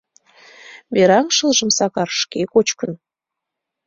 Мераҥ шылжым Сакар шке кочкын.